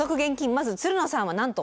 まずつるのさんは何と。